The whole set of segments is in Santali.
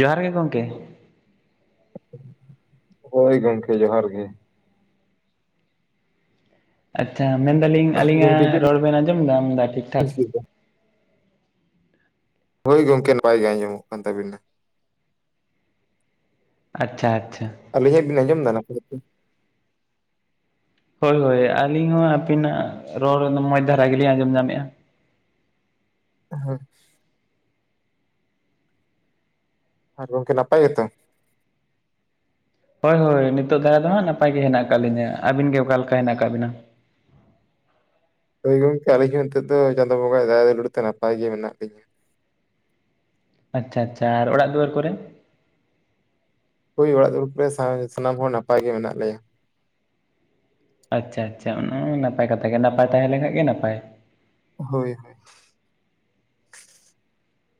ᱡᱚᱦᱟᱨ ᱜᱮ ᱜᱚᱢᱠᱮ ᱾ ᱦᱳᱭ ᱜᱚᱢᱠᱮ ᱡᱚᱦᱟᱨ ᱜᱮ ᱾ ᱟᱪᱪᱷᱟ ᱢᱮᱱᱫᱟᱞᱤᱧ ᱟᱹᱞᱤᱧᱟᱜ ᱜᱚᱢᱠᱮ ᱪᱮᱫ ᱵᱤᱱ ᱨᱚᱲ ᱵᱮᱱ ᱟᱸᱡᱚᱢ ᱮᱫᱟ ᱧᱟᱢ ᱮᱫᱟ ᱴᱷᱤᱠ ᱴᱷᱟᱠ? ᱪᱤᱠᱟᱹᱭᱮᱫᱟ? ᱦᱳᱭ ᱜᱚᱝᱠᱮ ᱱᱟᱯᱟᱭ ᱜᱮ ᱟᱸᱡᱚᱢᱚᱜ ᱠᱟᱱ ᱛᱟᱵᱤᱱᱟ ᱾ ᱟᱪᱪᱷᱟ ᱟᱪᱪᱷᱟ ᱾ ᱟᱹᱞᱤᱧᱟᱜ ᱵᱤᱱ ᱟᱸᱡᱚᱢᱫᱟ ᱱᱟᱯᱟᱭ ᱠᱟᱛᱮ? ᱦᱳᱭ ᱦᱳᱭ ᱟᱹᱞᱤᱧ ᱦᱚᱸ ᱟᱹᱵᱤᱱᱟᱜ ᱨᱚᱲ ᱢᱚᱡᱽ ᱫᱷᱟᱨᱟ ᱜᱮᱞᱤᱧ ᱟᱸᱡᱚᱢ ᱧᱟᱢᱮᱫᱼᱟ ᱾ ᱮ ᱦᱮᱸ᱾ ᱟᱨ ᱜᱚᱝᱠᱮ ᱱᱟᱯᱟᱭ ᱜᱮᱛᱚ? ᱦᱚᱭ ᱦᱳᱭ ᱱᱤᱛᱚᱜ ᱫᱷᱟᱨᱟ ᱫᱚ ᱦᱟᱸᱜ ᱱᱟᱯᱟᱭ ᱜᱮ ᱦᱮᱱᱟᱜ ᱟᱠᱟᱜ ᱞᱤᱧᱟᱹ, ᱟᱹᱵᱤᱱ ᱜᱮ ᱚᱠᱟ ᱞᱮᱠᱟ ᱦᱮᱱᱟᱜ ᱟᱠᱟᱜ ᱵᱤᱱᱟ? ᱦᱳᱭ ᱜᱚᱝᱠᱮ ᱟᱞᱤᱧ ᱦᱚᱸ ᱱᱤᱛᱚᱜ ᱫᱚ ᱪᱟᱸᱫᱚ ᱵᱚᱸᱜᱟᱭ ᱫᱟᱭᱟ ᱫᱩᱞᱟᱹᱲ ᱛᱮ ᱱᱟᱯᱟᱭ ᱜᱮ ᱢᱮᱱᱟᱜ ᱞᱤᱧᱟᱹ᱾ ᱟᱪᱪᱷᱟ ᱟᱪᱷᱟ, ᱟᱨ ᱚᱲᱟᱜ ᱫᱩᱣᱟᱹᱨ ᱠᱚᱨᱮ? ᱦᱳᱭ ᱚᱲᱟᱜ ᱫᱩᱣᱟᱹᱨ ᱠᱚᱨᱮ ᱥᱟᱱᱟ ‌ ᱥᱟᱱᱟᱢ ᱦᱚᱲ ᱱᱟᱯᱟᱭ ᱜᱮ ᱢᱮᱱᱟᱜ ᱞᱮᱭᱟ᱾ ᱟᱪᱪᱷᱟ ᱟᱪᱷᱟ ᱚᱱᱟ ᱦᱚᱸ ᱱᱟᱯᱟᱭ ᱠᱟᱛᱷᱟ ᱜᱮ ᱱᱟᱯᱟᱭ ᱛᱟᱦᱮᱸ ᱞᱮᱱᱠᱷᱟᱡ ᱜᱮ ᱱᱟᱯᱟᱭ᱾ ᱦᱳᱭ ᱦᱳᱭ᱾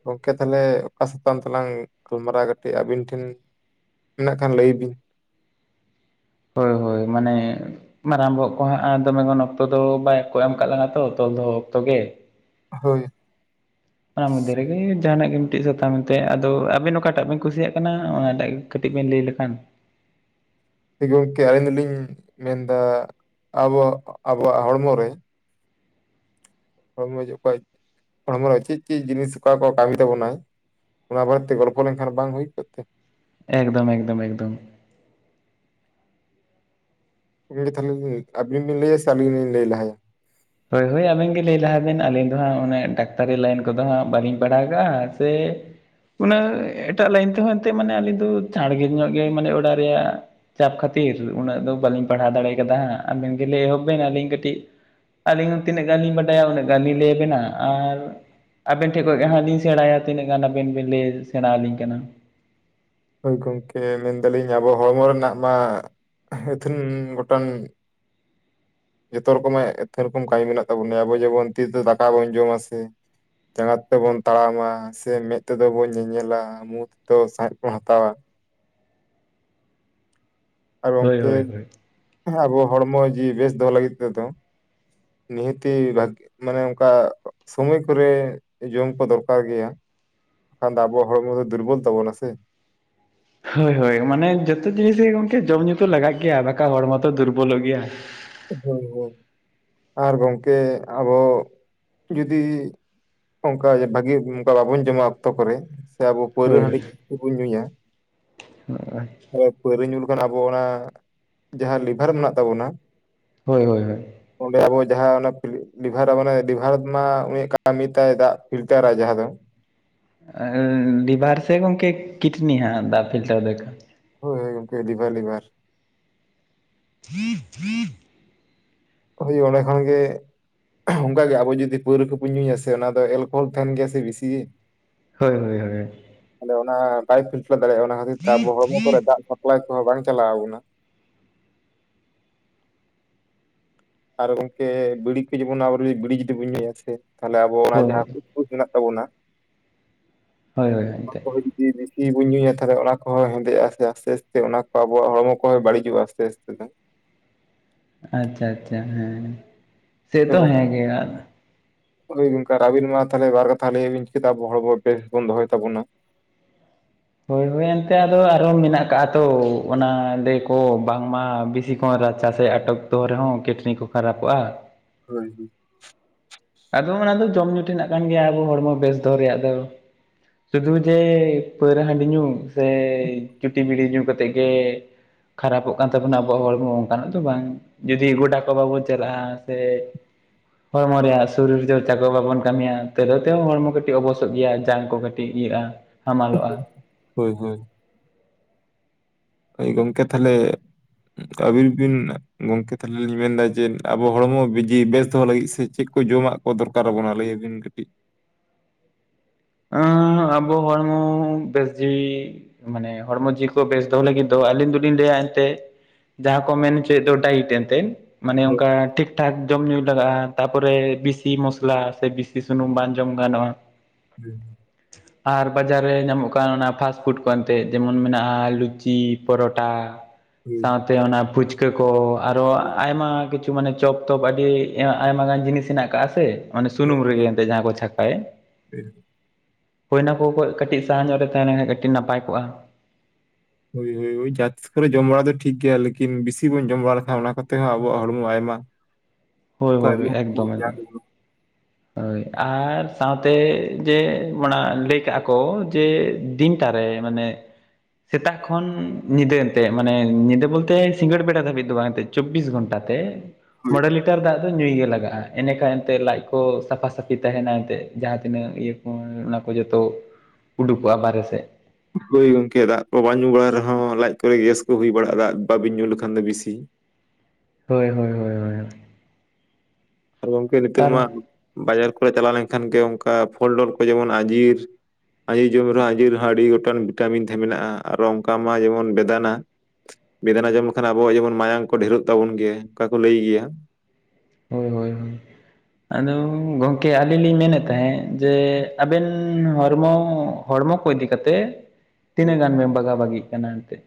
ᱜᱚᱝᱠᱮ ᱛᱟᱦᱚᱞᱮ ᱚᱠᱟ ᱥᱟᱛᱟᱢ ᱛᱮᱞᱟᱝ ᱜᱟᱞᱢᱟᱨᱟᱣ ᱠᱟᱹᱴᱤᱡ ᱟᱵᱤᱱ ᱴᱷᱮᱱᱼᱼ ᱢᱮᱱᱟᱜ ᱠᱷᱟᱱ ᱞᱟᱹᱭ ᱵᱤᱱ ᱾ ᱦᱳᱭ ᱦᱳᱭ ᱢᱟᱱᱮ᱾ ᱢᱟᱨᱟᱝ ᱵᱚᱦᱚᱜ ᱠᱚ ᱦᱟᱸᱜ ᱟᱨ ᱫᱚᱢᱮ ᱜᱚᱱ ᱚᱠᱛᱚ ᱫᱚ ᱵᱟᱭ ᱠᱚ ᱮᱢ ᱠᱟᱜ ᱞᱟᱝᱟ ᱛᱚ, ᱛᱚᱞ ᱫᱚᱦᱚ ᱚᱠᱛᱚ ᱜᱮ᱾ ᱦᱳᱭ᱾ ᱚᱱᱟ ᱢᱚᱫᱽᱫᱷᱮ ᱨᱮᱜᱮ ᱡᱟᱦᱟᱸ ᱱᱟᱜ ᱜᱮ ᱢᱤᱫᱴᱤᱡ ᱥᱟᱛᱟᱢ ᱢᱮᱱᱛᱮ ᱟᱫᱚ ᱟᱵᱤᱱ ᱚᱠᱟ ᱴᱟᱜ ᱵᱤᱱ ᱠᱩᱥᱤᱭᱟᱜ ᱠᱟᱱᱟ ᱚᱱᱟ ᱴᱟᱜ ᱜᱮ᱾ ᱠᱟᱹᱴᱤᱡ ᱵᱮᱱ ᱞᱟᱹᱭ ᱞᱮᱠᱷᱟᱱᱼᱼ ᱜᱚᱝᱠᱮ ᱟᱞᱤᱧ ᱫᱩᱞᱤᱧ ᱢᱮᱱ ᱫᱟ ᱟᱵᱚ ᱟᱵᱚᱣᱟᱜ ᱦᱚᱲᱢᱚ ᱨᱮᱼᱼ ᱦᱚᱲᱢᱚ ᱡᱮ ᱚᱠᱚᱭ ᱦᱚᱲᱢᱚ ᱨᱮ ᱪᱤᱫ ᱪᱤᱜ ᱡᱤᱱᱤᱥ ᱚᱠᱟ‌ ᱠᱚ ᱠᱟᱢᱤ ᱛᱟᱵᱚᱱᱟᱭ? ᱚᱱᱟ ᱵᱟᱨᱮ ᱛᱮ ᱜᱚᱞᱯᱷᱚ ᱞᱮᱱᱠᱷᱟᱱ ᱵᱟᱝ ᱦᱩᱭ ᱠᱚᱜ ᱛᱮ? ᱮᱠᱫᱚᱢ ᱮᱠᱫᱚᱢ ᱮᱠᱫᱚᱢ᱾ [unintelligible] ᱛᱟᱦᱚᱞᱮ ᱟᱵᱤᱱ ᱵᱤᱱ ᱞᱟᱹᱭᱟ ᱥᱮ ᱟᱞᱤᱧ ᱞᱤᱧ ᱞᱟᱹᱭ ᱞᱟᱦᱟᱭᱟ? ᱦᱳᱭ ᱦᱳᱭ ᱟᱵᱮᱱ ᱜᱮ ᱞᱟᱹᱭ ᱞᱟᱦᱟ ᱵᱮᱱ ᱟᱹᱞᱤᱧ ᱫᱚ ᱦᱟᱸᱜ ᱢᱟᱱᱮ ᱰᱟᱠᱛᱟᱨᱤ ᱞᱟᱭᱤᱱ ᱠᱚᱫᱚ ᱦᱟᱸᱜ ᱵᱟᱞᱤᱧ ᱯᱟᱲᱦᱟᱣ ᱠᱟᱜ-ᱟ ᱥᱮᱼᱼ ᱩᱱᱟᱹᱜ ᱮᱴᱟᱜ ᱞᱟᱭᱤᱱ ᱛᱮᱦᱚᱸ ᱮᱱᱛᱮᱜ ᱢᱟᱱᱮ ᱟᱹᱞᱤᱧ ᱫᱚ ᱪᱟᱬ ᱜᱮ ᱧᱚᱜ ᱜᱮ ᱢᱟᱱᱮ ᱚᱲᱟᱜ ᱨᱮᱭᱟᱜᱼᱼ ᱪᱟᱯ ᱠᱷᱟᱹᱛᱤᱨ ᱩᱱᱟᱹᱜ ᱫᱚ ᱵᱟᱞᱤᱧ ᱯᱟᱲᱦᱟᱣ ᱫᱟᱲᱮ ᱠᱟᱫᱟ ᱦᱟᱸᱜ ᱟᱵᱮᱱ ᱜᱮ ᱞᱟᱹᱭ ᱮᱦᱚᱵ ᱵᱮᱱ ᱟᱞᱤᱧ ᱠᱟᱹᱴᱤᱡᱼᱼ ᱟᱞᱤᱧ ᱦᱚᱸ ᱛᱤᱱᱟᱹᱜ ᱜᱟᱱ ᱞᱤᱧ ᱵᱟᱰᱟᱭᱟ ᱩᱱᱟᱹᱜ ᱜᱟᱱ ᱞᱤᱧ ᱞᱟᱹᱭᱟ ᱵᱮᱱᱟ ᱟᱨᱼᱼ ᱟᱵᱮᱱ ᱴᱷᱮᱱ ᱠᱷᱚᱡ ᱜᱮ ᱦᱟᱸᱜ ᱞᱤᱧ ᱥᱮᱬᱟᱭᱟ ᱛᱤᱱᱟᱹᱜ ᱜᱟᱱ ᱟᱵᱮᱱ ᱵᱮᱱ ᱞᱟᱹᱭ ᱥᱮᱬᱟ ᱟᱹᱞᱤᱧ ᱠᱟᱱᱟ᱾ ᱦᱳᱭ ᱜᱚᱝᱠᱮ ᱢᱮᱱ ᱫᱟᱹᱞᱤᱧ ᱟᱵᱚ ᱦᱚᱲᱢᱚ ᱨᱮᱱᱟᱜ ᱢᱟ ᱮᱛᱷᱮᱱ ᱜᱚᱴᱟᱱᱼᱼ ᱡᱚᱛᱚ ᱨᱚᱠᱚᱢᱟᱜ ᱮᱛᱷᱮ ᱨᱚᱠᱚᱢ ᱠᱟᱢᱤ ᱢᱮᱱᱟᱜ ᱛᱟᱵᱚᱱ ᱜᱮᱭᱟ ᱟᱵᱚ ᱡᱮᱢᱚᱱ ᱛᱤ ᱛᱮ ᱫᱟᱠᱟ ᱵᱚᱱ ᱡᱚᱢᱟ ᱥᱮᱼᱼ ᱡᱟᱸᱜᱟ ᱛᱮᱫᱚ ᱵᱚᱱ ᱛᱟᱲᱟᱢᱟ ᱥᱮ ᱢᱮᱸᱫ ᱛᱮᱫᱚ ᱵᱚᱱ ᱧᱮᱧᱮᱞᱟ᱾ ᱢᱩ ᱛᱮ ᱛᱚ ᱥᱟᱸᱦᱮᱸᱫ ᱵᱚᱱ ᱦᱟᱛᱟᱣᱟ᱾ ᱟᱨ ᱦᱳᱭ ᱜᱚᱝᱠᱮ ᱦᱳᱭ ᱦᱳᱭ ᱟᱵᱚ ᱦᱚᱲᱢᱚ ᱡᱤᱣᱤ ᱵᱮᱥ ᱫᱚᱦᱚ ᱞᱟᱹᱜᱤᱫ ᱛᱮᱫᱚᱼᱼ ᱱᱤᱦᱟᱹᱛᱤ ᱵᱷᱟᱜᱮ ᱭᱟᱜᱼᱼ ᱢᱟᱱᱮ ᱚᱱᱠᱟ ᱥᱚᱢᱚᱭ ᱠᱚᱨᱮ ᱡᱚᱢ ᱠᱚ ᱫᱚᱨᱠᱟᱨ ᱜᱮᱭᱟ᱾ ᱠᱷᱟᱱ ᱫᱚ ᱟᱵᱚ ᱦᱚᱲᱢᱚ ᱫᱚᱭ ᱫᱩᱨᱵᱚᱞ ᱛᱟᱵᱚᱱᱟ ᱥᱮ᱾ ᱦᱳᱭ ᱦᱳᱭ ᱢᱟᱱᱮ ᱡᱚᱛᱚ ᱡᱤᱱᱤᱥ ᱜᱮ ᱜᱚᱝᱠᱮ ᱡᱚᱢᱧᱩ ᱫᱚ ᱞᱟᱜᱟᱜ ᱜᱮᱭᱟ ᱵᱟᱠᱷᱟ ᱦᱚᱲᱢᱚ ᱛᱚ ᱫᱩᱨᱵᱚᱞᱚᱜ ᱜᱮᱭᱟ᱾ ᱦᱚᱭ ᱦᱚᱭ ᱟᱨ ᱜᱚᱝᱠᱮ ᱟᱵᱚ ᱡᱩᱫᱤᱼᱼ ᱚᱱᱠᱟ ᱡᱚ ᱵᱷᱟᱜᱤ ᱚᱱᱠᱟ ᱵᱟᱵᱚᱱ ᱡᱚᱢᱟ ᱚᱠᱛᱚ ᱠᱚᱨᱮᱼ ᱥᱮ ᱟᱵᱚ ᱯᱟᱹᱣᱨᱟᱹ ᱦᱳᱭ ᱦᱟᱺᱰᱤ ᱡᱟᱹᱥᱛᱤ ᱵᱩᱱ ᱧᱩᱭᱟᱼᱼ ᱟᱨᱼᱼ ᱮ ᱯᱟᱹᱣᱨᱟᱹ ᱧᱩ ᱞᱮᱠᱷᱟᱱ ᱟᱵᱚ ᱚᱱᱟ ᱡᱟᱦᱟᱸ ᱞᱤᱵᱷᱟᱨ ᱢᱮᱱᱟᱜ ᱛᱟᱵᱚᱱᱟᱼᱼ ᱦᱳᱭ ᱦᱳᱭ ᱦᱳᱭ᱾ ᱚᱸᱰᱮ ᱟᱵᱚ ᱡᱟᱦᱟᱸ ᱚᱱᱟ ᱯᱤᱞᱤᱼᱼ ᱞᱤᱵᱷᱟᱨᱟᱜ ᱢᱟᱱᱮ ᱰᱤᱵᱷᱟᱨᱟᱫᱽ ᱢᱟ ᱩᱱᱤᱭᱟᱜ ᱠᱟᱢᱤ ᱛᱟᱭ ᱫᱟᱜ ᱯᱷᱤᱞᱴᱟ ᱨᱟᱭ ᱡᱟᱦᱟᱸ ᱫᱚ᱾ ᱟᱸᱨᱻ ᱞᱤᱵᱷᱟᱨ ᱥᱮ ᱜᱚᱝᱠᱮ ᱠᱤᱴᱱᱤ ᱦᱟᱸᱜ ᱫᱟᱜ ᱯᱷᱤᱞᱴᱟᱨ ᱫᱚᱭ‌ ᱠᱟᱢᱼᱼᱼ ᱦᱳᱭ ᱜᱚᱝᱠᱮ‌ ᱞᱤᱵᱷᱟᱨ ᱞᱤᱵᱷᱟᱨ᱾ [inaudible] ᱦᱳᱭ ᱚᱸᱰᱮ ᱠᱷᱚᱱ ᱜᱮᱼᱼ ᱚᱱᱠᱟ ᱜᱮ ᱟᱵᱚ ᱡᱩᱫᱤ ᱯᱟᱹᱣᱨᱟᱹ ᱠᱩᱵᱩᱱ ᱧᱩᱭᱟ ᱥᱮ ᱚᱱᱟ ᱫᱚ ᱮᱞᱠᱳᱦᱳᱞ ᱛᱟᱦᱮᱱ ᱜᱮᱭᱟ ᱥᱮ ᱵᱤᱥᱤ ᱜᱤ᱾ ᱦᱚᱭ ᱦᱚᱭ ᱦᱳᱭ᱾ ᱛᱚ ᱚᱱᱟ ᱯᱟᱭᱤᱯ ᱯᱷᱤᱞᱯᱟᱨ ᱫᱟᱲᱮᱭᱟᱜᱼᱟ ᱚᱱᱟ ᱠᱷᱟᱹᱛᱤᱨ ᱛᱮ ᱟᱵᱚ ᱦᱚᱲᱢᱚ ᱠᱚᱨᱮ ᱫᱟᱜ ᱥᱟᱯᱞᱟᱭ ᱠᱚᱦᱚᱸ ᱵᱟᱝ ᱪᱟᱞᱟᱣ ᱟᱵᱚᱱᱟ ᱟᱨ ᱜᱚᱝᱠᱮ ᱵᱤᱲᱤ ᱠᱚ ᱡᱮᱢᱚᱱ ᱟᱵᱚ ᱵᱤᱲᱤ ᱡᱩᱫᱤ ᱵᱚᱱ ᱧᱩᱭᱟ ᱥᱮ ᱛᱟᱦᱚᱞᱮ ᱟᱵᱚ ᱚᱱᱟ ᱡᱟᱦᱟᱸ ᱦᱳᱭ ᱢᱮᱱᱟᱜ ᱛᱟᱵᱚᱱᱟ ᱦᱳᱭ ᱦᱳᱭ ᱮᱱᱛᱮᱫ ᱡᱩᱫᱤ ᱵᱮᱥᱤ ᱵᱚᱱ ᱧᱩᱭᱟ ᱛᱟᱦᱚᱞᱮ ᱚᱱᱟ ᱠᱚᱦᱚᱸ ᱦᱮᱸᱫᱮᱜᱼᱟ ᱥᱮ ᱟᱥᱛᱮ ᱟᱥᱛᱮ ᱚᱱᱟ ᱠᱚ ᱟᱵᱚᱣᱟᱜ ᱦᱚᱲᱢᱚ ᱠᱚᱦᱚᱸ ᱵᱟᱹᱲᱤᱡᱚᱜᱼᱟ ᱟᱥᱛᱮ ᱟᱥᱛᱮ ᱫᱚ ᱟᱪᱪᱷᱟ ᱟᱪᱪᱷᱟ ᱦᱮᱸ ᱦᱳᱭ ᱥᱮᱛᱚ ᱜᱚᱝᱠᱮ ᱦᱮᱸ ᱜᱮᱼ ᱟᱨ ᱦᱳᱭ ᱜᱚᱝᱠᱮ ᱟᱨ ᱟᱹᱵᱤᱱ ᱢᱟ ᱛᱟᱦᱚᱞᱮ ᱵᱟᱨ ᱠᱟᱛᱷᱟ ᱞᱟᱹᱭᱟᱵᱤᱱ ᱪᱤᱠᱟ ᱟᱵᱚ ᱦᱚᱲᱚ ᱵᱮᱥ ᱵᱚᱱ ᱫᱚᱦᱚᱭ ᱛᱟᱵᱚᱱᱟ ᱦᱳᱭ ᱦᱳᱭ ᱮᱱᱛᱮ ᱟᱫᱚ ᱟᱨᱦᱚᱸ ᱢᱮᱱᱟᱜ ᱠᱟᱜᱼᱟ ᱛᱚ ᱚᱱᱟ ᱞᱟ, ᱭ ᱠᱚ ᱵᱟᱝᱢᱟ ᱵᱤᱥᱤ ᱦᱚᱸ ᱨᱟᱪᱟᱥᱮᱫ ᱟᱴᱚᱠ ᱫᱚᱦᱚ ᱨᱮᱦᱚᱸ ᱠᱤᱴᱱᱤ ᱠᱚ ᱠᱷᱟᱨᱟᱯᱚᱜᱼᱟ ᱦᱳᱭ ᱦᱳᱭ ᱟᱫᱚ ᱚᱱᱟ ᱫᱚ ᱡᱚᱢ ᱧᱩ ᱴᱷᱮᱱᱟᱜ ᱠᱟᱱ ᱜᱮᱭᱟ ᱟᱵᱚ ᱦᱚᱲᱢᱚ ᱵᱮᱥ ᱫᱚᱦᱚ ᱨᱮᱭᱟᱜ ᱫᱚ ᱥᱩᱫᱷᱩ ᱡᱮ ᱯᱟᱹᱣᱨᱟᱹ ᱦᱟᱺᱰᱤ ᱧᱩ ᱥᱮ ᱪᱩᱴᱤ ᱵᱤᱲᱤ ᱧᱩ ᱠᱟᱛᱮᱜ ᱜᱮ ᱠᱷᱟᱨᱟᱯᱚᱜ ᱠᱟᱱ ᱛᱟᱵᱚᱱᱟ ᱟᱵᱚᱣᱟᱜ ᱦᱚᱲ ᱚᱱᱠᱟ ᱱᱟᱜ ᱫᱚ ᱵᱟᱝᱼᱼ ᱡᱩᱫᱤ ᱜᱳᱰᱟ ᱠᱚ ᱵᱟᱵᱚ ᱪᱟᱞᱟᱜ-ᱟ ᱥᱮ ᱦᱚᱲᱢᱚ ᱨᱮᱭᱟᱜᱼᱼ ᱥᱚᱨᱤᱨ ᱪᱚᱨᱪᱟ ᱠᱚ ᱵᱟᱵᱚᱱ ᱠᱟᱢᱤᱭᱟ ᱛᱮᱫᱚ ᱛᱮᱦᱚᱸ ᱦᱚᱲᱢᱚ ᱠᱟᱹᱴᱤᱡ ᱚᱵᱚᱥᱚᱜ ᱜᱮᱭᱟ ᱡᱟᱝ ᱠᱚ ᱠᱟᱹᱴᱤᱡ ᱤᱭᱟᱹᱜᱼᱟ᱾ ᱦᱟᱢᱟᱞᱚᱜᱼᱟ ᱦᱳᱭ ᱦᱳᱭ ᱦᱳᱭ ᱜᱚᱝᱠᱮ ᱛᱟᱦᱚᱞᱮ ᱟᱵᱤᱱ ᱵᱤᱱ ᱜᱚᱝᱠᱮ ᱛᱟᱦᱚᱞᱮ ᱞᱤᱧ ᱢᱮᱱᱫᱟ ᱡᱮ ᱟᱵᱚ ᱦᱚᱲᱢᱚ ᱵᱤᱡᱤ ᱵᱮᱥ ᱫᱚᱦᱚ ᱞᱟᱹᱜᱤᱫ ᱥᱮ ᱪᱮᱫ ᱠᱚ ᱡᱚᱢᱟᱜ ᱫᱚᱨᱠᱟᱨ ᱟᱵᱚᱱᱟ ᱞᱟᱹᱭ ᱵᱤᱱ ᱠᱟᱹᱴᱤᱡ ᱟᱵᱚ ᱦᱚᱲᱢᱚ ᱵᱮᱥ ᱡᱤᱭᱤ ᱢᱟᱱᱮ ᱦᱚᱲᱢᱚ ᱡᱤᱣᱤ ᱠᱚ ᱵᱮᱥ ᱫᱚᱦᱚ ᱞᱟᱹᱜᱤᱫ ᱫᱚ ᱟᱹᱞᱤᱧ ᱫᱚᱞᱤᱧ ᱞᱮᱭᱟ ᱮᱱᱛᱮᱜ ᱡᱟᱦᱟᱸ ᱠᱚ ᱢᱮᱱ ᱦᱚᱪᱚᱭᱮᱫ ᱫᱚ ᱰᱟᱭᱤᱴ ᱮᱱᱛᱮᱫ ᱢᱟᱱᱮ ᱦᱳᱭ ᱚᱱᱠᱟ ᱴᱷᱤᱠ ᱴᱷᱟᱠ ᱡᱚᱢ ᱧᱩᱭ ᱞᱟᱜᱟᱜᱼᱟ ᱛᱟᱯᱚᱨᱮ ᱵᱮᱥᱤ ᱢᱚᱥᱞᱟ ᱥᱮ ᱵᱮᱥᱤ ᱥᱩᱱᱩᱢ ᱵᱟᱝ ᱡᱚᱢ ᱜᱟᱱᱚᱜᱼᱟ ᱦᱮᱸ ᱟᱨ ᱵᱟᱡᱟᱨ ᱨᱮ ᱧᱟᱢᱚᱜ ᱠᱟᱱ ᱚᱱᱟ ᱯᱷᱟᱥᱴᱯᱷᱩᱰ ᱠᱚ ᱮᱱᱛᱮᱫ ᱡᱮᱢᱚᱱ ᱢᱮᱱᱟᱜᱼᱟ ᱞᱩᱪᱤ ᱯᱚᱨᱚᱴᱟ ᱦᱳᱭ ᱥᱟᱶ ᱛᱮ ᱚᱱᱟ ᱯᱷᱩᱪᱠᱟᱹ ᱠᱚ ᱟᱨᱚ ᱟᱭᱢᱟ ᱠᱤᱪᱷᱩ ᱢᱟᱱᱮ ᱪᱚᱯ ᱛᱚᱯ ᱟᱹᱰᱤ ᱟᱭᱢᱟ ᱜᱟᱱ ᱡᱤᱱᱤᱥ ᱦᱮᱱᱟᱜ ᱠᱟᱜ ᱥᱮ ᱚᱱᱮ ᱥᱩᱱᱩᱢ ᱨᱮᱜᱮ ᱮᱱᱛᱮ ᱡᱟᱦᱟᱸ ᱠᱚ ᱪᱷᱟᱠᱟᱭᱟ ᱵᱮᱫ ᱦᱚᱭ ᱱᱟ ᱠᱚ ᱠᱷᱚᱡ ᱠᱟᱹᱴᱤᱡ ᱥᱟᱦᱟ ᱧᱚᱜ ᱨᱮ ᱛᱟᱦᱮᱸ ᱞᱮᱱ ᱠᱷᱟᱱ ᱠᱟᱹᱴᱤᱡ ᱱᱟᱯᱟᱭ ᱠᱚᱜᱼᱟ ᱦᱳᱭ ᱦᱳᱭ ᱦᱳᱭ ᱡᱟᱡ ᱡᱚᱢ ᱵᱟᱲᱟ ᱫᱚ ᱴᱷᱤᱠ ᱜᱮᱭᱟ ᱞᱮᱠᱤᱱ ᱵᱮᱥᱤ ᱵᱚᱱ ᱡᱚᱢ ᱵᱟᱲᱟ ᱞᱮᱠᱷᱟᱱ ᱚᱱᱟ ᱠᱚᱛᱮ ᱦᱚᱸ ᱟᱵᱚᱣᱟᱜ ᱦᱚᱲᱢᱚ ᱟᱭᱢᱟ ᱦᱳᱭ ᱦᱳᱭ ᱠᱟᱹᱭᱢᱚ ᱮᱠᱫᱚᱢ ᱯᱩᱨᱡᱟ ᱮᱠᱫᱚᱢ ᱦᱳᱭ ᱟᱨ ᱥᱟᱶᱛᱮ ᱡᱮ ᱢᱟᱲᱟᱝ ᱞᱟᱹᱭ ᱠᱟᱜ ᱠᱚ ᱡᱮ ᱫᱤᱱᱴᱟᱨᱮ ᱢᱟᱱᱮ ᱥᱮᱛᱟᱜ ᱠᱷᱚᱱ ᱧᱤᱫᱟᱹ ᱮᱱᱛᱮ ᱢᱟᱱᱮ ᱧᱤᱫᱟᱹ ᱵᱚᱞᱛᱮ ᱥᱤᱸᱜᱟᱹᱲ ᱵᱮᱲᱟ ᱫᱷᱟᱹᱵᱤᱡ ᱫᱚ ᱵᱟᱝ ᱮᱱᱛᱮ ᱪᱚᱵᱽᱵᱤᱥ ᱜᱷᱚᱱᱴᱟ ᱛᱮ ᱦᱳᱭ ᱢᱚᱬᱮ ᱞᱤᱴᱟᱨ ᱫᱟᱜ ᱫᱚ ᱧᱩᱭ ᱜᱮ ᱞᱟᱜᱟᱜᱼᱟ ᱮᱱᱮᱠᱷᱟᱱ ᱮᱱᱛᱮ ᱞᱟᱡ ᱠᱚ ᱥᱟᱯᱷᱟ ᱥᱟᱹᱯᱷᱤ ᱛᱟᱦᱮᱱᱟ ᱮᱱᱛᱮᱫ ᱡᱟᱦᱟᱸ ᱛᱤᱱᱟᱹᱜ ᱤᱭᱟᱹ ᱠᱚ ᱚᱱᱟ ᱠᱚ ᱡᱚᱛᱚ ᱩᱰᱩᱠᱼᱟ ᱵᱟᱦᱨᱮ ᱥᱮᱫ ᱦᱩᱭ ᱜᱚᱝᱠᱮ ᱫᱟᱜ ᱠᱚ ᱵᱟᱝ ᱧᱩ ᱵᱟᱲᱟ ᱨᱮᱦᱚᱸ ᱞᱟᱡ ᱠᱚᱨᱮ ᱜᱮᱥ ᱠᱚ ᱦᱩᱭ ᱵᱟᱲᱟᱜᱼᱟ ᱫᱟᱜ ᱵᱟᱵᱤᱱ ᱧᱩ ᱞᱮᱠᱷᱟᱱ ᱫᱚ ᱵᱤᱥᱤ ᱦᱳᱭ ᱦᱳᱭ ᱦᱳᱭ ᱦᱳᱭ ᱟᱨ ᱜᱚᱝᱠᱮ ᱱᱤᱛᱚᱜ ᱛᱟᱨ ᱢᱟ ᱵᱟᱡᱟᱨ ᱠᱚᱨᱮ ᱪᱟᱞᱟᱣ ᱞᱮᱱᱠᱷᱟᱱ ᱜᱮ ᱚᱱᱠᱟ ᱯᱷᱚᱞᱰᱚᱞ ᱠᱚ ᱡᱮᱢᱚᱱ ᱟᱡᱤᱨ ᱟᱸᱡᱤᱨ ᱡᱚᱢ ᱨᱮᱦᱚᱸ ᱟᱸᱡᱤᱨ ᱨᱮᱦᱚᱸ ᱟᱹᱰᱤ ᱜᱚᱴᱟᱝ ᱵᱷᱤᱴᱟᱢᱤᱱ ᱛᱟᱦᱮᱸ ᱢᱮᱱᱟᱜᱼᱟ ᱟᱨᱚ ᱚᱱᱠᱟ ᱢᱟ ᱡᱮᱢᱚᱱ ᱵᱮᱫᱟᱱᱟ ᱵᱮᱫᱟᱱᱟ ᱡᱚᱢ ᱞᱮᱠᱷᱟᱱ ᱟᱵᱚᱣᱟᱜ ᱡᱮᱢᱚᱱ ᱢᱟᱭᱟᱢ ᱠᱚ ᱰᱷᱮᱨᱚᱜ ᱛᱟᱵᱚᱱ ᱜᱮ ᱚᱱᱠᱟ ᱠᱚ ᱞᱟᱹᱭ ᱜᱮᱭᱟ ᱦᱳᱭ ᱦᱳᱭ ᱦᱳᱭ ᱟᱫᱚ ᱜᱚᱝᱠᱮ ᱟᱹᱞᱤᱧ ᱞᱤᱧ ᱢᱮᱱᱮᱫ ᱛᱟᱦᱮᱸᱫ ᱡᱮ ᱟᱵᱮᱱ ᱦᱚᱲᱢᱚ ᱦᱚᱲᱢᱚ ᱠᱚ ᱤᱫᱤ ᱠᱟᱛᱮ ᱛᱤᱱᱟᱹᱜ ᱜᱟᱱ ᱵᱮᱱ ᱵᱟᱜᱟᱣ ᱵᱟᱹᱜᱤᱜ ᱠᱟᱱᱟ ᱮᱱᱛᱮᱫ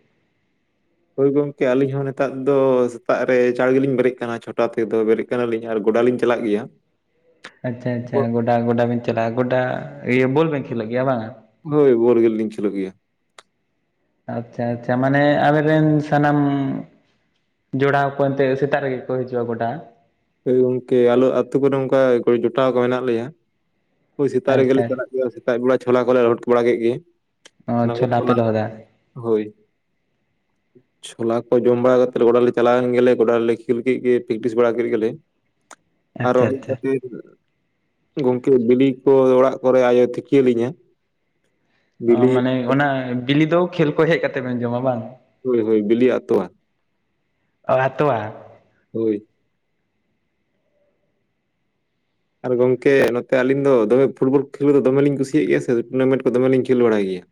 ᱦᱳᱭ ᱜᱚᱝᱠᱮ ᱟᱹᱞᱤᱧ ᱦᱚᱸ ᱱᱮᱛᱟᱨ ᱫᱚ ᱥᱮᱛᱟᱜ ᱨᱮ ᱪᱟᱲ ᱜᱮᱞᱤᱧ ᱵᱮᱨᱮᱫ ᱠᱟᱱᱟ ᱪᱷᱚᱴᱟ ᱛᱮᱫᱚ ᱵᱮᱨᱮᱫ ᱠᱟᱱᱟ ᱞᱤᱧ ᱟᱨ ᱜᱚᱰᱟ ᱞᱤᱧ ᱪᱟᱞᱟᱜ ᱜᱮᱭᱟ ᱟᱪᱪᱷᱟ ᱟᱪᱪᱷᱟ ᱜᱚᱴᱟ ᱜᱚᱴᱟ ᱵᱮᱱ ᱪᱟᱞᱟᱜᱼᱟ ᱜᱚᱴᱟ ᱤᱭᱟᱹ ᱵᱳᱚᱞ ᱵᱮᱱ ᱠᱷᱮᱞᱚᱜ ᱜᱮᱭᱟ ᱵᱟᱝ ᱦᱳᱭ ᱵᱚᱞ ᱜᱮ ᱞᱤᱧ ᱠᱷᱮᱞᱚ ᱜᱮᱭᱟ ᱟᱪᱪᱷᱟ ᱟᱪᱪᱷᱟ ᱢᱟᱱᱮ ᱟᱵᱮᱱ ᱨᱮᱱ ᱥᱟᱱᱟᱢ ᱡᱚᱲᱟᱣ ᱠᱚ ᱮᱱᱛᱮ ᱥᱮᱛᱟᱜ ᱨᱮᱜᱮ ᱠᱚ ᱦᱤᱡᱩᱜᱼᱟ ᱜᱚᱰᱟ ᱦᱳᱭ ᱜᱚᱝᱠᱮ ᱟᱞᱮ ᱟᱛᱳ ᱠᱚᱨᱮ ᱚᱱᱠᱟ ᱡᱚᱴᱟᱣ ᱠᱚ ᱢᱮᱱᱟᱜ ᱞᱮᱭᱟ ᱦᱳᱭ ᱥᱮᱛᱟᱜ ᱨᱮᱜᱮ ᱞᱮ ᱟᱪᱪᱷᱟ ᱪᱟᱞᱟᱜ ᱠᱟ ᱥᱮᱛᱟᱜ ᱵᱮᱲᱟ ᱪᱷᱚᱞᱟ ᱠᱚᱞᱮ ᱞᱚᱦᱚᱫ ᱵᱟᱲᱟ ᱠᱮᱫ ᱜᱮ ᱚ ᱚᱱᱟ ᱠᱚ ᱪᱷᱳᱞᱟ ᱯᱮ ᱪᱷᱚᱞᱟ ᱞᱚᱦᱚᱫᱟ ᱦᱳᱭ ᱪᱷᱚᱞᱟ ᱠᱚ ᱡᱚᱢ ᱵᱟᱲᱟ ᱠᱟᱛᱮᱜ ᱚᱲᱟᱜ ᱞᱮᱱᱟ ᱪᱟᱞᱟᱣᱮᱱ ᱜᱮᱞᱮ ᱜᱚᱰᱟ ᱨᱮᱞᱮ ᱠᱷᱮᱞ ᱠᱮᱜ ᱜᱮ ᱯᱮᱠᱴᱤᱥ ᱵᱟᱲᱟ ᱠᱮᱫ ᱜᱮᱞᱮ ᱟᱨᱚ ᱟᱪᱪᱷᱟ ᱦᱮᱡ ᱟᱪᱪᱷᱟ ᱠᱟᱛᱮᱜ ᱜᱚᱝᱠᱮ ᱵᱤᱞᱤ ᱠᱚ ᱚᱲᱟᱜ ᱠᱚᱨᱮ ᱟᱭᱳ ᱛᱤᱠᱤᱭ ᱟᱞᱤᱧᱟ ᱚ ᱢᱟᱱᱮ ᱚᱱᱟ ᱵᱤᱞᱤ ᱫᱚ ᱠᱷᱮᱞ ᱠᱷᱚᱡ ᱦᱮᱡ ᱠᱟᱛᱮ ᱵᱮᱱ ᱡᱚᱢᱟ ᱵᱟᱝ ᱦᱳᱭ ᱦᱳᱭ ᱵᱤᱞᱤ ᱟᱨ ᱛᱚᱣᱟ ᱚ ᱛᱚᱣᱟ ᱦᱳᱭ ᱟᱨ ᱜᱚᱝᱠᱮ ᱱᱚᱛᱮ ᱟᱹᱞᱤᱧ ᱫᱚᱢᱮ ᱯᱷᱩᱴᱵᱚᱞ ᱠᱷᱮᱞ ᱫᱚ ᱫᱚᱢᱮ ᱞᱤᱧ ᱠᱩᱥᱤᱭᱟᱜ ᱜᱮᱭᱟ ᱥᱮ ᱴᱩᱨᱱᱟᱢᱮᱱᱴ ᱠᱚ ᱫᱚᱢᱮ ᱞᱤᱧ ᱠᱷᱮᱞ ᱵᱟᱲᱟᱭ ᱜᱮᱭᱟ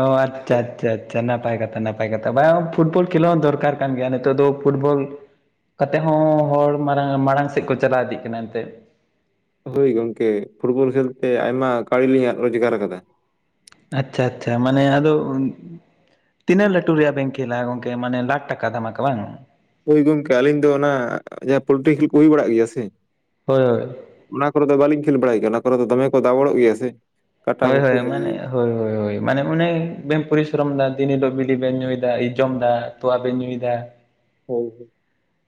ᱚ ᱟᱪᱪᱷᱟ ᱟᱪᱪᱷᱟ ᱟᱪᱪᱷᱟ ᱱᱟᱯᱟᱭ ᱠᱟᱛᱷᱟ ᱱᱟᱯᱟᱭ ᱠᱟᱛᱷᱟ ᱵᱟ ᱯᱷᱩᱴᱵᱚᱞ ᱠᱷᱮᱞᱚᱜ ᱦᱚᱸ ᱫᱚᱨᱠᱟᱨ ᱠᱟᱱ ᱜᱮᱭᱟ ᱱᱤᱛᱚᱜ ᱫᱚ ᱯᱷᱩᱴᱵᱚᱞ ᱠᱟᱛᱮᱜ ᱦᱚᱸ ᱦᱚᱲ ᱢᱟᱨᱟᱝ ᱢᱟᱲᱟᱝ ᱥᱮᱫ ᱠᱚ ᱪᱟᱞᱟᱣ ᱤᱫᱤᱜ ᱠᱟᱱᱟ ᱮᱱ ᱛᱮᱫ ᱦᱳᱭ ᱜᱚᱝᱠᱮ ᱯᱷᱩᱴᱵᱚᱞ ᱠᱷᱮᱞ ᱛᱮ ᱟᱭᱢᱟ ᱠᱟᱹᱣᱲᱤ ᱞᱤᱧ ᱨᱳᱡᱜᱟᱨ ᱠᱟᱫᱟ ᱟᱪᱪᱷᱟ ᱟᱪᱪᱷᱟ ᱢᱟᱱᱮ ᱟᱫᱚ ᱛᱤᱱᱟᱹᱜ ᱞᱟᱹᱴᱩ ᱨᱮᱭᱟᱜ ᱵᱮᱱ ᱠᱷᱮᱞ ᱟ ᱜᱚᱝᱠᱮ ᱢᱟᱱᱮ ᱞᱟᱠᱷ ᱴᱟᱠᱟ ᱫᱷᱟᱢᱟᱠᱟ ᱵᱟᱝ ᱦᱳᱭ ᱜᱚᱝᱠᱮ ᱟᱹᱞᱤᱧ ᱫᱚ ᱚᱱᱟ ᱡᱟᱦᱟᱸ ᱯᱳᱞᱴᱤ ᱠᱷᱮᱞ ᱠᱚ ᱦᱩᱭ ᱵᱟᱲᱟᱜ ᱜᱮᱭᱟ ᱥᱮ ᱦᱳᱭ ᱦᱳᱭ ᱚᱱᱟ ᱠᱚᱨᱮ ᱫᱚ ᱵᱟᱹᱞᱤᱝ ᱠᱷᱮᱞ ᱵᱟᱲᱟᱭ ᱜᱮᱭᱟ ᱚᱱᱟ ᱠᱚᱨᱮ ᱫᱚ ᱫᱚᱢᱮ ᱠᱚ ᱫᱟᱵᱲᱚᱜ ᱜᱮᱭᱟ ᱥᱮ ᱠᱟᱴᱟ ᱦᱳᱭ ᱠᱚᱠᱚ ᱦᱳᱭ ᱢᱟᱱᱮ ᱦᱳᱭ ᱦᱳᱭ ᱢᱟᱱᱮ ᱚᱱᱮ ᱵᱮᱱ ᱯᱚᱨᱤᱥᱨᱚᱢ ᱫᱟ ᱫᱤᱱ ᱦᱤᱞᱳᱜ ᱵᱤᱲᱤ ᱵᱮᱱ ᱧᱩᱭᱮᱫᱟ ᱡᱚᱢ ᱮᱫᱟ ᱛᱚᱣᱟ ᱵᱮᱱ ᱧᱩᱭᱮᱫᱟ ᱦᱳᱭ ᱦᱳᱭ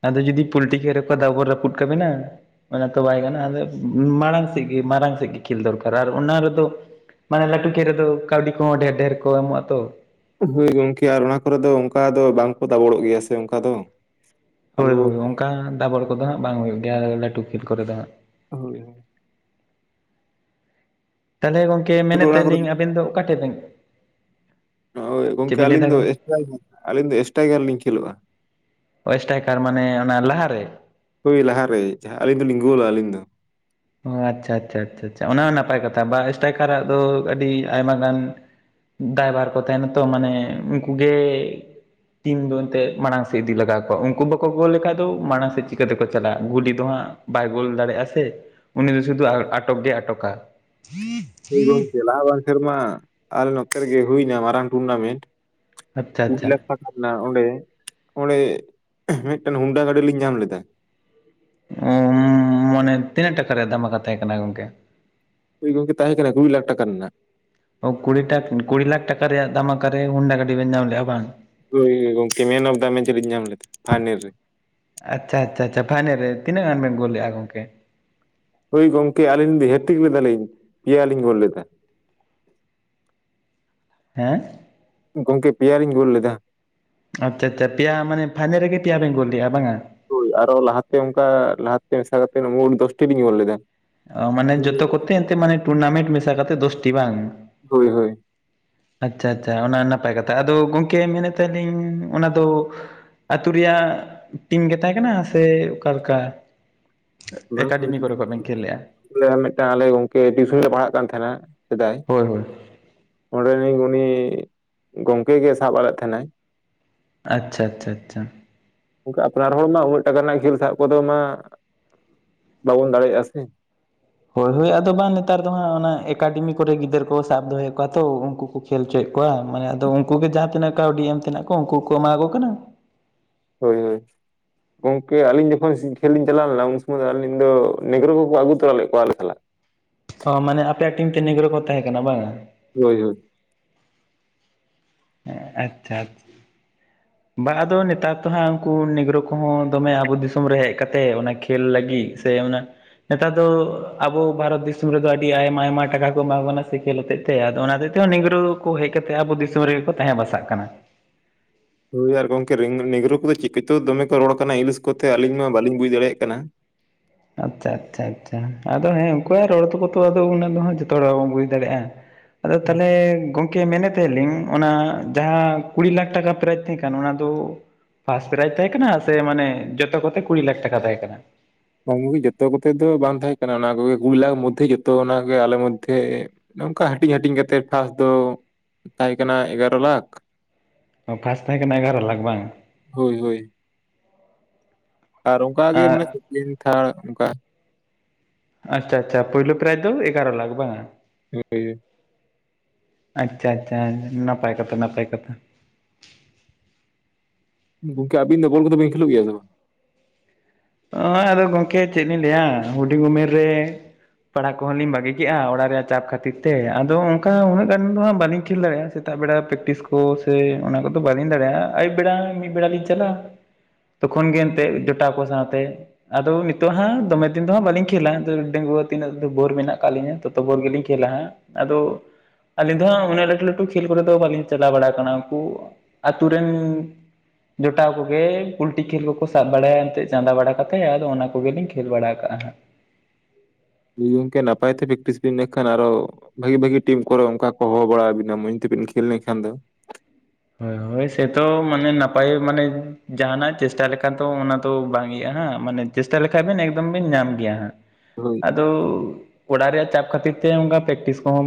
ᱟᱫᱚ ᱡᱩᱫᱤ ᱯᱚᱞᱴᱤ ᱠᱷᱮᱞ ᱨᱮᱠᱚ ᱫᱟᱵᱚᱲ ᱨᱟᱹᱯᱩᱫ ᱠᱟ. ᱵᱤᱱᱟ ᱚᱱᱟ ᱛᱚ ᱵᱟᱭ ᱜᱟᱱᱚᱜ-ᱟ ᱟᱫᱚ ᱢᱟᱲᱟᱝ ᱥᱮᱫ ᱜᱮ ᱢᱟᱲᱟᱝ ᱥᱮᱫ ᱜᱮ ᱠᱷᱮᱞ ᱫᱚᱨᱠᱟᱨ ᱟᱨ ᱚᱱᱟ ᱨᱮ ᱫᱚ ᱢᱟᱱᱮ ᱞᱟᱹᱴᱩ ᱠᱷᱮᱞ ᱨᱮᱫᱚ ᱠᱟᱹᱣᱰᱤ ᱠᱚᱦᱚᱸ ᱰᱷᱮᱨ ᱰᱷᱮᱨ ᱠᱚ ᱮᱢᱚᱜ-ᱟᱛᱚ ᱦᱳᱭ ᱜᱚᱝᱠᱮ ᱟᱨ ᱚᱱᱟ ᱠᱚᱨᱮ ᱫᱚ ᱚᱱᱠᱟ ᱫᱚ ᱵᱟᱝᱠᱚ ᱫᱟᱵᱚᱲᱚᱜ ᱜᱮᱭᱟ ᱥᱮ ᱚᱱᱠᱟ ᱫᱚ ᱦᱳᱭ ᱟᱵᱚ ᱦᱳᱭ ᱚᱱᱠᱟ ᱫᱟᱵᱚᱲ ᱠᱚᱫᱚ ᱦᱟᱸᱜ ᱵᱟᱝ ᱦᱩᱭᱩᱜ ᱜᱮᱭᱟ ᱞᱟᱹᱴᱩ ᱠᱷᱮᱞ ᱠᱚᱨᱮ ᱫᱚ ᱦᱟᱸᱜ ᱦᱳᱭ ᱦᱳᱭ ᱛᱟᱦᱚᱞᱮ ᱜᱚᱝᱠᱮ ᱦᱳᱭ ᱢᱮᱱᱮᱫ ᱚᱱᱟ ᱛᱟᱦᱮᱱ ᱠᱚᱨᱮ ᱞᱤᱧ ᱟᱵᱮᱱ ᱫᱚ ᱚᱠᱟ ᱴᱷᱮᱱ ᱵᱮᱱ ᱦᱳᱭ ᱪᱮᱫ ᱜᱚᱝᱠᱮ ᱵᱮᱱ ᱞᱟᱹᱭ ᱟᱹᱞᱤᱧ ᱮᱫᱟ ᱫᱚ ᱜᱚᱝᱠᱮ ᱮᱥᱴᱟᱭ ᱟᱹᱞᱤᱧ ᱫᱚ ᱮᱥᱴᱟᱭᱜᱟᱨ ᱞᱤᱧ ᱠᱷᱮᱞᱳᱜ-ᱟ ᱮᱥᱴᱟᱭᱠᱴᱜᱟᱨ ᱢᱟᱱᱮ ᱚᱱᱟ ᱞᱟᱦᱟ ᱨᱮ ᱦᱳᱭ ᱞᱟᱦᱟᱨ ᱨᱮ ᱡᱟᱦᱟᱸ ᱟᱹᱞᱤᱧ ᱫᱚ ᱞᱤᱧ ᱜᱳᱞᱟ ᱟᱹᱞᱤᱧ ᱫᱚ ᱚ ᱟᱪᱪᱷᱟ ᱟᱪᱪᱷᱟ ᱟᱪᱪᱷᱟ ᱚᱱᱟ ᱦᱚᱸ ᱱᱟᱯᱟᱭ ᱠᱟᱛᱷᱟ ᱵᱟ ᱮᱥᱴᱟᱭᱜᱟᱨᱟᱜ ᱫᱚ ᱟᱹᱰᱤ ᱟᱭᱢᱟ ᱜᱟᱱ ᱫᱟᱭ ᱵᱷᱟᱨ ᱠᱚ ᱛᱟᱦᱮᱱᱟ ᱛᱚ ᱢᱟᱱᱮ ᱩᱱᱠᱩ ᱜᱮ ᱴᱤᱢ ᱫᱚ ᱮᱱᱛᱮᱫ ᱢᱟᱲᱟᱝ ᱥᱮᱫ ᱤᱫᱤ ᱞᱟᱜᱟᱣ ᱠᱚᱣᱟ ᱩᱱᱠᱩ ᱵᱟᱠᱚ ᱜᱳᱞ ᱞᱮᱠᱷᱟᱡ ᱫᱚ ᱢᱟᱲᱟᱝ ᱥᱮᱫ ᱪᱤᱠᱟᱹᱛᱮ ᱠᱚ ᱪᱟᱞᱟᱜ-ᱟ ᱜᱩᱞᱤ ᱫᱚ ᱦᱟᱸᱜ ᱵᱟᱭ ᱜᱳᱞ ᱫᱟᱲᱮ ᱟᱥᱮ ᱩᱱᱤ ᱫᱚ ᱥᱩᱫᱷᱩ ᱟᱴᱚᱠ ᱜᱮᱭ ᱟᱴᱚᱠ-ᱟ ᱦᱳᱭ ᱜᱚᱝᱠᱮ ᱞᱟᱦᱟ ᱵᱟᱝ ᱥᱮᱨᱢᱟ ᱟᱞᱮ ᱱᱚᱛᱮ ᱨᱮᱜᱮ ᱦᱳᱭᱱᱟ ᱢᱟᱨᱟᱝ ᱴᱩᱨᱱᱟᱢᱮᱱᱴ ᱟᱪᱪᱷᱟ ᱟᱪᱪᱷᱟ [unintelligible] ᱚᱱᱟ ᱚᱸᱰᱮ ᱚᱸᱰᱮ ᱢᱤᱫᱴᱟᱝ ᱦᱳᱱᱰᱟ ᱜᱟᱹᱰᱤ ᱞᱤᱧ ᱧᱟᱢ ᱞᱮᱫᱟ ᱚ ᱢᱟᱱᱮ ᱛᱤᱱᱟᱹᱜ ᱴᱟᱠᱟ ᱨᱮᱭᱟᱜ ᱫᱷᱟᱢᱟᱠᱟ ᱛᱟᱦᱮᱸᱜ ᱠᱟᱱᱟ ᱜᱚᱝᱠᱮ ᱦᱳᱭ ᱜᱚᱝᱠᱮ ᱛᱟᱦᱮᱸ ᱠᱟᱱᱟ ᱠᱩᱲᱤ ᱞᱟᱠᱷ ᱴᱟᱠᱟ ᱨᱮᱱᱟᱜ ᱚ ᱠᱩᱲᱤ ᱴᱟ ᱠᱩᱲᱤ ᱞᱟᱠᱷ ᱴᱟᱠᱟ ᱨᱮᱭᱟᱜ ᱫᱷᱟᱢᱟᱠᱟ ᱨᱮ ᱦᱳᱱᱰᱟ ᱜᱟᱹᱰᱤ ᱵᱮᱱ ᱧᱟᱢ ᱞᱮᱭᱟ ᱵᱟᱝ ᱦᱳᱭ ᱦᱳᱭ ᱜᱚᱝᱠᱮ ᱢᱮᱱ ᱚᱯ ᱫᱟ ᱢᱮᱪ ᱞᱤᱧ ᱧᱟᱢ ᱞᱮᱫᱟ ᱯᱷᱟᱭᱱᱮᱞ ᱨᱮ ᱟᱪᱪᱷᱟ ᱟᱪᱪᱷᱟ ᱟᱪᱷᱟ ᱯᱷᱟᱭᱱᱮᱞ ᱨᱮ ᱛᱤᱱᱟᱹ ᱜᱟᱱ ᱵᱮᱱ ᱜᱳᱞ ᱞᱮᱜ-ᱟ ᱜᱚᱝᱠᱮ ᱦᱳᱭ ᱜᱚᱝᱠᱮ ᱟᱹᱞᱤᱧ ᱫᱚ ᱦᱮᱴ ᱴᱨᱤᱠ ᱞᱮᱫᱟ ᱞᱤᱧ ᱯᱮᱭᱟ ᱞᱤᱧ ᱜᱳᱞ ᱞᱮᱫᱟ ᱦᱮᱸ ᱜᱚᱝᱠᱮ ᱯᱮᱭᱟ ᱞᱤᱧ ᱜᱳᱞ ᱞᱮᱫᱟ ᱟᱪᱪᱷᱟ ᱟᱪᱷᱟ ᱯᱮᱭᱟ ᱢᱟᱱᱮ ᱯᱷᱟᱭᱱᱮᱞ ᱨᱮᱜᱮ ᱯᱮᱭᱟ ᱵᱮᱱ ᱜᱳᱞ ᱞᱮᱫᱜ-ᱟ ᱵᱟᱝᱟ ᱦᱳᱭ ᱟᱨᱚ ᱞᱟᱦᱟᱛᱮ ᱚᱱᱠᱟ ᱞᱟᱦᱟᱛᱮ ᱢᱮᱥᱟ ᱠᱟᱛᱮᱫ ᱢᱳᱴ ᱫᱚᱥᱴᱤ ᱞᱤᱧ ᱜᱳᱞ ᱞᱮᱫᱟ ᱚ ᱢᱟᱱᱮ ᱡᱚᱛᱚ ᱠᱚᱛᱮ ᱮᱱᱛᱮᱜ ᱢᱟᱱᱮ ᱴᱩᱨᱱᱟᱢᱮᱱᱴ ᱢᱮᱥᱟ ᱠᱟᱛᱮᱫ ᱫᱚᱥᱴᱤ ᱵᱟᱝ ᱦᱳᱭ ᱦᱳᱭ ᱟᱪᱪᱷᱟ ᱟᱪᱪᱷᱟ ᱚᱱᱟ ᱱᱟᱯᱟᱭ ᱠᱟᱛᱷᱟ ᱟᱫᱚ ᱜᱚᱝᱠᱮ ᱢᱮᱱᱮᱫ ᱛᱟᱦᱮ ᱟᱞᱤᱧ ᱚᱱᱟ ᱫᱚ ᱟᱹᱛᱩ ᱨᱮᱭᱟᱜ ᱴᱤᱢ ᱜᱮ ᱛᱟᱦᱮᱸ ᱠᱟᱱᱟ ᱥᱮ ᱚᱠᱟᱞᱮᱠᱟ ᱮᱠᱟᱰᱮᱢᱤ ᱠᱚᱨᱮ ᱠᱷᱚᱡ ᱵᱮᱱ ᱠᱷᱮᱞ ᱞᱮᱜ-ᱟ ᱢᱤᱫᱴᱟᱝ ᱟᱞᱮ ᱜᱚᱝᱠᱮ ᱴᱤᱭᱩᱥᱚᱱ ᱞᱮ ᱯᱟᱲᱦᱟᱜ ᱠᱟᱱ ᱛᱟᱦᱮᱱᱟ ᱥᱮᱫᱟᱭ ᱦᱳᱭ ᱦᱳᱭ ᱚᱸᱰᱮᱱᱤᱡ ᱩᱱᱤ ᱜᱚᱝᱠᱮ ᱜᱮ ᱥᱟᱵ ᱟᱞᱮᱫ ᱛᱟᱦᱮᱱᱟᱭ ᱟᱪᱪᱷᱟ ᱟᱪᱪᱷᱟ ᱟᱪᱪᱷᱟ ᱟᱯᱱᱟᱨ ᱦᱚᱲ ᱢᱟ ᱩᱱᱟᱹᱜ ᱴᱟᱠᱟ ᱨᱮᱱᱟᱜ ᱠᱷᱮᱞ ᱥᱟᱵ ᱠᱚᱫᱚ ᱢᱟ ᱵᱟᱵᱚᱱ ᱫᱟᱲᱮᱭᱟᱜ-ᱟ ᱥᱮ ᱦᱳᱭ ᱦᱳᱭ ᱟᱫᱚ ᱵᱟᱝ ᱱᱮᱛᱟᱨ ᱫᱚ ᱦᱟᱸᱜ ᱚᱱᱟ ᱮᱠᱟᱰᱮᱢᱤ ᱠᱚᱨᱮ ᱜᱤᱫᱽᱨᱟᱹ ᱠᱚ ᱥᱟᱵ ᱫᱚᱦᱚᱭᱮᱫ ᱠᱚᱣᱟ ᱛᱚ ᱩᱱᱠᱩ ᱠᱚ ᱠᱷᱮᱞ ᱦᱚᱪᱚᱭᱮᱫ ᱠᱚᱣᱟ ᱢᱟᱱᱮ ᱟᱫᱚ ᱩᱝᱠᱩ ᱜᱮ ᱡᱟᱦᱟᱸ ᱛᱤᱱᱟᱹᱜ ᱠᱟᱹᱣᱰᱤ ᱮᱢ ᱛᱮᱱᱟᱜ ᱠᱚ ᱩᱝᱠᱩ ᱠᱚ ᱮᱢᱟ ᱠᱚ ᱠᱟᱱᱟ᱾ ᱦᱳᱭ ᱦᱳᱭ ᱜᱚᱝᱠᱮ ᱟᱹᱞᱤᱧ ᱡᱚᱠᱷᱚᱱ ᱠᱷᱮᱞ ᱞᱤᱧ ᱪᱟᱞᱟᱣ ᱞᱮᱱᱟ, ᱩᱱ ᱥᱩᱢᱚᱭ ᱫᱚ ᱟᱹᱞᱤᱧ ᱫᱚ ᱱᱮᱜᱽᱜᱨᱳ ᱠᱚᱠᱚ ᱟᱹᱜᱩ ᱛᱚᱨᱟ ᱞᱮᱫ ᱠᱚᱣᱟ ᱟᱞᱮ ᱥᱟᱞ ᱚ ᱢᱟᱱᱮ ᱟᱯᱮᱭᱟᱜ ᱴᱤᱢ ᱛᱮ ᱱᱤᱜᱽᱨᱳ ᱠᱚ ᱛᱟᱦᱮᱸ ᱠᱟᱱᱟ ᱵᱟᱝ ᱦᱳᱭ ᱦᱳᱭ ᱟᱪᱪᱷᱟ ᱟᱪᱪᱷᱟ ᱵᱟ ᱟᱫᱚ ᱱᱮᱛᱟᱨ ᱫᱚ ᱦᱟᱸᱜ ᱩᱱᱠᱩ ᱱᱮᱜᱽᱨᱳ ᱠᱚᱦᱚᱸ ᱫᱚᱢᱮ ᱟᱵᱚ ᱫᱤᱥᱚᱢ ᱨᱮ ᱦᱮᱡ ᱠᱟᱛᱮ ᱚᱱᱟ ᱠᱷᱮᱞ ᱞᱟᱹᱜᱤᱫ ᱥᱮ ᱚᱱᱟ ᱱᱮᱛᱟᱨ ᱫᱚ ᱟᱵᱚ ᱵᱷᱟᱨᱚᱛ ᱫᱤᱥᱚᱢ ᱨᱮᱫᱚ ᱟᱹᱰᱤ ᱟᱭᱢᱟ ᱟᱭᱢᱟ ᱴᱟᱠᱟ ᱠᱚ ᱮᱢᱟ ᱵᱚ ᱠᱟᱱᱟ ᱥᱮ ᱠᱷᱮᱞ ᱟᱛᱮᱫ ᱟᱫᱚ ᱚᱱᱟ ᱛᱮᱦᱚᱸ ᱱᱤᱜᱽᱨᱳ ᱠᱚ ᱦᱮᱡ ᱠᱟᱛᱮ ᱟᱵᱚ ᱫᱤᱥᱚᱢ ᱨᱮᱜᱮ ᱠᱚ ᱛᱟᱦᱮᱸ ᱵᱟᱥᱟᱜ ᱠᱟᱱᱟ ᱦᱳᱭ ᱟᱨ ᱜᱚᱝᱠᱮ ᱱᱤᱜᱽᱨᱳ ᱠᱚᱫᱚ ᱪᱮᱫ ᱠᱚᱛᱚ ᱫᱚᱢᱮ ᱠᱚ ᱨᱚᱲ ᱠᱟᱱᱟ ᱤᱝᱞᱤᱥ ᱠᱚᱛᱮ ᱟᱹᱞᱤᱧ ᱢᱟ ᱵᱟᱞᱤᱧ ᱵᱩᱡᱽ ᱫᱟᱲᱮᱭᱟᱜ ᱠᱟᱱᱟ ᱟᱪᱪᱷᱟ ᱟᱪᱪᱷᱟ ᱟᱪᱪᱷᱟ ᱟᱫᱚ ᱦᱮᱸ ᱩᱱᱠᱩᱣᱟᱜ ᱨᱚᱲ ᱛᱟᱠᱚ ᱟᱫᱚ ᱩᱱᱟᱹᱜ ᱫᱚ ᱡᱚᱛᱚ ᱦᱚᱲ ᱵᱟᱵᱚᱱ ᱵᱩᱡᱽ ᱫᱟᱲᱮᱭᱟᱜᱼᱟ᱾ [inaudible] ᱟᱫᱚ ᱛᱟᱦᱚᱞᱮ ᱠᱮ ᱢᱮᱱᱮᱫ ᱛᱟᱦᱮᱞᱤᱧ ᱚᱱᱟ ᱡᱟᱦᱟᱸ ᱠᱩᱲᱤ ᱞᱟᱠᱷ ᱴᱟᱠᱟ ᱯᱨᱟᱭᱤᱡ ᱛᱟᱦᱮᱸ ᱠᱟᱱᱟ ᱚᱱᱟ ᱫᱚ ᱯᱷᱟᱥ ᱯᱨᱟᱭᱤᱡᱽ ᱛᱟᱦᱮᱸ ᱠᱟᱱᱟ ᱥᱮ ᱢᱟᱱᱮ ᱡᱚᱛᱚ ᱠᱚᱛᱮ ᱠᱩᱲᱤ ᱞᱟᱠᱷ ᱴᱟᱠᱟ ᱛᱟᱦᱮᱸ ᱠᱟᱱᱟ? [unintelligible] ᱡᱚᱛᱚ ᱠᱚᱛᱮ ᱫᱚ ᱵᱟᱝ ᱛᱟᱦᱮᱸ ᱠᱟᱱᱟ, ᱚᱱᱟ ᱠᱚᱜᱮ ᱠᱩᱲᱤᱞᱟ ᱢᱚᱫᱽᱫᱷᱮ ᱡᱚᱛᱚ ᱚᱱᱟᱜᱮ ᱟᱞᱮ ᱢᱚᱫᱽᱫᱷᱮ ᱱᱚᱝᱠᱟ ᱦᱟᱹᱴᱤᱧ ᱦᱟᱹᱴᱤᱧ ᱠᱟᱛᱮᱜ ᱯᱷᱟᱥᱴ ᱫᱚ ᱛᱟᱦᱮᱸ ᱠᱟᱱᱟ ᱮᱜᱟᱨᱚ ᱞᱟᱠᱷ ᱚ ᱯᱷᱟᱥ ᱛᱟᱦᱮᱸ ᱠᱟᱱᱟ ᱮᱜᱟᱨᱚ ᱞᱟᱠᱷ ᱵᱟᱝ? ᱦᱳᱭ ᱦᱳᱭ ᱟᱨ ᱚᱝᱠᱟᱜᱮ ᱢᱟᱱᱮ ᱥᱮᱠᱮᱱ ᱛᱷᱟᱲ ᱚᱝᱠᱟ᱾ ᱟᱪᱪᱷᱟ ᱟᱪᱪᱷᱟ ᱯᱳᱞᱳᱭ ᱯᱨᱟᱭᱤᱡᱽ ᱫᱚ ᱮᱜᱟᱨᱚ ᱞᱟᱠᱷ ᱵᱟᱝ᱾ [unintelligible] ᱟᱪᱪᱷᱟ ᱟᱪᱪᱷᱟ ᱱᱟᱯᱟᱭ ᱠᱟᱛᱷᱟ ᱱᱟᱯᱟᱭ ᱠᱟᱛᱷᱟ᱾ ᱜᱚᱝᱠᱮ ᱟᱵᱤᱱ ᱫᱚ ᱵᱚᱞ ᱠᱚᱫᱚ ᱵᱤᱱ ᱠᱷᱮᱞᱳᱜ ᱜᱮᱭᱟ ᱥᱮ ᱵᱟᱝ? ᱦᱚᱜᱼᱚᱭ ᱟᱫᱚ ᱜᱚᱝᱠᱮ ᱪᱮᱫ ᱞᱤᱧ ᱞᱟᱹᱭᱼᱟ᱾ ᱦᱩᱰᱤᱝ ᱩᱢᱮᱨ ᱨᱮ ᱯᱟᱲᱦᱟᱜ ᱠᱚᱦᱚᱸ ᱞᱤᱧ ᱵᱟᱹᱜᱤ ᱠᱮᱫᱮᱜᱼᱟ ᱚᱲᱟᱜ ᱨᱮᱭᱟᱜ ᱪᱟᱯ ᱠᱷᱟᱹᱛᱤᱨ ᱛᱮ, ᱟᱫᱚ ᱚᱱᱠᱟ ᱩᱱᱟᱹᱜ ᱜᱟᱱ ᱫᱚ ᱦᱟᱸᱜ ᱵᱟᱹᱞᱤᱧ ᱠᱷᱮᱞ ᱫᱟᱲᱮᱭᱟᱜᱼᱟ᱾ ᱛᱟᱜ ᱵᱮᱲᱟ ᱯᱮᱠᱴᱤᱥ ᱠᱚ ᱥᱮ ᱚᱱᱟ ᱠᱚᱫᱚ ᱵᱟᱹᱞᱤᱧ ᱫᱟᱲᱮᱭᱟᱜᱼᱟ, ᱟᱹᱭᱩᱵ ᱵᱮᱲᱟ ᱢᱤᱫ ᱵᱮᱲᱟ ᱞᱤᱧ ᱪᱟᱞᱟᱜᱼᱟ᱾ ᱛᱚ ᱠᱷᱚᱱ ᱜᱮ ᱮᱱᱛᱮ ᱡᱚᱴᱟᱠᱚ ᱥᱟᱶ ᱥᱟᱶᱛᱮ᱾ ᱟᱫᱚ ᱱᱤᱛᱚᱜ ᱦᱟᱸᱜ ᱫᱚᱢᱮ ᱫᱤᱱ ᱫᱚ ᱦᱟᱸᱜ ᱵᱟᱞᱤᱧ ᱠᱷᱮᱞᱟ ᱰᱮᱜᱩᱣᱟᱹ ᱛᱤᱱᱟᱹᱜ ᱫᱚ ᱵᱳᱨ ᱢᱮᱱᱟᱜ ᱟᱠᱟᱫ ᱞᱤᱧᱟᱹ ᱛᱚ ᱵᱷᱳ ᱜᱮᱞᱤᱧ ᱠᱷᱮᱹᱞᱟ ᱦᱟᱸᱜ᱾ ᱟᱫᱚ ᱟᱹᱞᱤᱧ ᱫᱚ ᱦᱟᱸᱜ ᱩᱱᱟᱹᱜ ᱞᱟᱹᱴᱩ ᱞᱟᱹᱴᱩ ᱠᱷᱮᱞ ᱠᱚᱨᱮ ᱫᱚ ᱵᱟᱹᱞᱤᱧ ᱪᱟᱞᱟᱣ ᱵᱟᱲᱟ ᱟᱠᱟᱱᱟ ᱩᱱᱠᱩ ᱟᱹᱛᱩ ᱨᱮᱱ ᱡᱚᱴᱟᱣ ᱠᱚᱜᱮ ᱯᱚᱞᱴᱤ ᱠᱷᱮᱞ ᱠᱚᱠᱚ ᱥᱟᱵ ᱵᱟᱲᱟᱭᱟ ᱮᱱᱛᱮ ᱪᱟᱸᱫᱟ ᱵᱟᱲᱟ ᱠᱟᱛᱮ ᱟᱫᱚ ᱚᱱᱟ ᱠᱚᱜᱮᱞᱤᱧ ᱠᱷᱮᱞ ᱵᱟᱲᱟ ᱠᱟᱜᱼᱟ᱾ ᱦᱩᱭ ᱜᱚᱝᱠᱮ ᱱᱟᱯᱟᱭ ᱛᱮ ᱯᱮᱠᱴᱤᱥ ᱵᱤᱱ ᱱᱟᱹᱠᱷᱟᱱ ᱟᱨᱚ ᱵᱷᱟᱹᱜᱤ ᱵᱷᱟᱹᱜᱤ ᱴᱤᱢ ᱠᱚᱨᱮ ᱚᱱᱠᱟ ᱠᱚ ᱦᱚᱦᱚ ᱵᱟᱲᱟᱵᱤᱱᱟ ᱢᱚᱡᱽ ᱛᱮᱵᱤᱱ ᱠᱷᱮᱞ ᱞᱮᱠᱷᱟᱱ ᱫᱚ᱾ ᱦᱳᱭ ᱥᱮᱛᱚ ᱢᱟᱱᱮ ᱱᱟᱯᱟᱭ ᱢᱟᱱᱮ ᱡᱟᱦᱟᱱᱟᱜ ᱪᱮᱥᱴᱟ ᱞᱮᱠᱟᱟᱱ ᱛᱚ ᱚᱱᱟ ᱫᱚ ᱵᱟᱝ ᱦᱩᱭᱩᱜᱼᱟ ᱦᱟᱸᱜ ᱢᱟᱱᱮ ᱪᱮᱥᱴᱟ ᱞᱮᱠᱷᱟᱱᱡ ᱵᱤᱱ ᱮᱠᱫᱚᱢ ᱵᱤᱱ ᱧᱟᱢ ᱜᱮᱭᱟ ᱦᱟᱸᱜ, ᱦᱳᱭ ᱟᱫᱚ ᱚᱲᱟᱜ ᱨᱮᱭᱟᱜ ᱪᱟᱯ ᱠᱷᱟᱹᱛᱤᱨ ᱛᱮ ᱚᱱᱠᱟ ᱯᱨᱮᱠᱴᱤᱥ ᱠᱚᱦᱚᱸ ᱵᱟᱝ